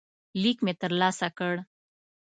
لیک مې ترلاسه کړ.